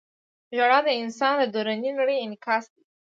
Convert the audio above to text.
• ژړا د انسان د دروني نړۍ انعکاس دی.